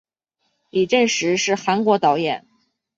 李振石是韩国导演。